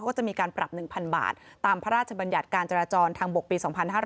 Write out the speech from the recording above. ก็จะมีการปรับ๑๐๐๐บาทตามพระราชบัญญัติการจราจรทางบกปี๒๕๕๙